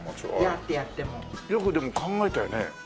よくでも考えたよね。